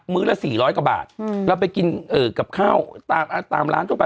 มื้อละสี่ร้อยกว่าบาทอืมแล้วไปกินเอ่อกับข้าวตามตามร้านทั่วไป